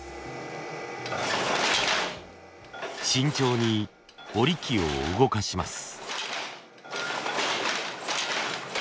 慎重に織り機を動かします。